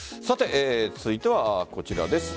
続いてはこちらです。